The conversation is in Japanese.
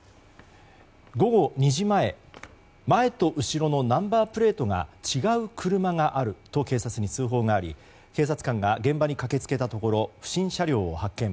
午後２時前、前と後ろのナンバープレートが違う車があると警察に通報があり警察官が現場に駆け付けたところ不審車両を発見。